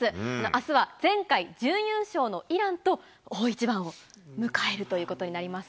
あすは前回、準優勝のイランと大一番を迎えるということになりま